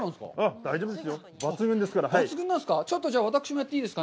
大丈夫ですよ。